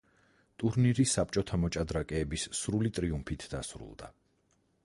ტურნირი საბჭოთა მოჭადრაკეების სრული ტრიუმფით დასრულდა.